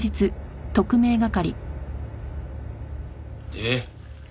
で？